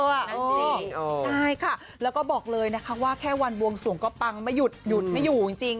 ใช่ค่ะแล้วก็บอกเลยว่าแค่วันบวงส่วงก็ปังไม่หยุดไม่อยู่จริง